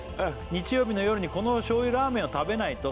「日曜日の夜にこの醤油ラーメンを食べないと」